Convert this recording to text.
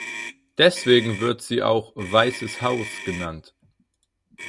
Deswegen wird sie auch "Weißes Haus" genannt.